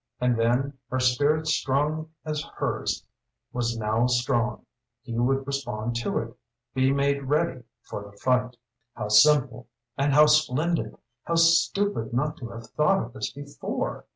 And then, his spirit strong as hers was now strong, he would respond to it, be made ready for the fight. How simple and how splendid! How stupid not to have thought of this before!